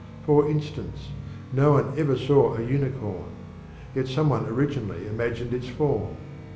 For instance, no one ever saw a unicorn, and yet some one originally imagined its form.